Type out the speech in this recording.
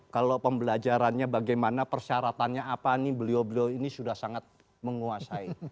kalau pembelajarannya bagaimana persyaratannya apa nih beliau beliau ini sudah sangat menguasai